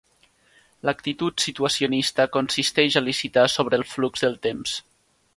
L'actitud situacionista consisteix a licitar sobre el flux del temps.